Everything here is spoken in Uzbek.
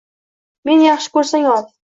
Meni yaxshi ko'rsang, ol.